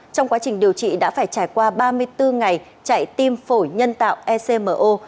trong quá trình điều trị đã phải trải qua ba mươi bốn ngày chạy tim phổi nhân tạo ecmo